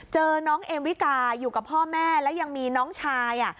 เจอน้องเอมวิกาอยู่กับพ่อแม่แล้วยังมีน้องชาย